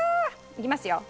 いきますよ。